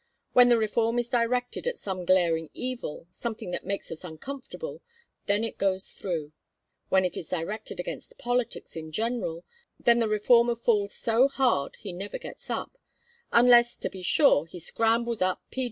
When the reform is directed at some glaring evil, something that makes us uncomfortable, then it goes through. When it's directed against politics in general, then the reformer falls so hard he never gets up unless, to be sure, he scrambles up p.